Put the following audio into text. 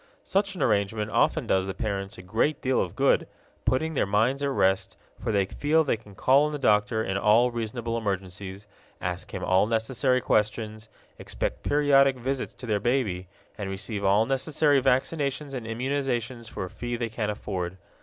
Such an arrangement often does the parents a great deal of good, putting their minds at rest, for they feel they can call on the doctor in all reasonable emergencies, ask him all necessary questions, expect periodic visits to their baby, and receive all necessary vaccinations and immunizations for a fee they can afford.